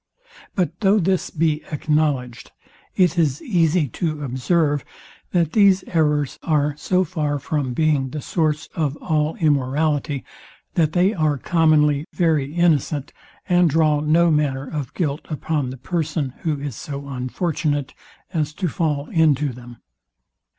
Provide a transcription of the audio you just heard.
But though this be acknowledged, it is easy to observe, that these errors are so far from being the source of all immorality, that they are commonly very innocent, and draw no manner of guilt upon the person who is so unfortunate as to fail into them.